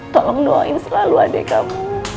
tolong doain selalu adik kamu